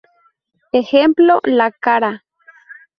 Ejemplo: la cara.